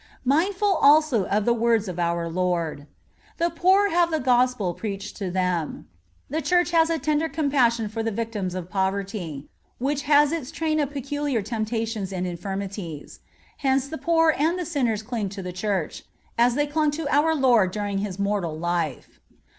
Mindful also of the words of our Lord: "The poor have the Gospel preached to them,"(45) the Church has a tender compassion for the victims of poverty, which has its train of peculiar temptations and infirmities. Hence, the poor and the sinners cling to the Church, as they clung to our Lord during His mortal life.